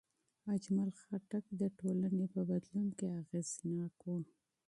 اجمل خټک د ټولنې په بدلون کې اغېزناک و.